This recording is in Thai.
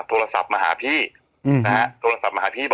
โทรศัพท์มาหาพี่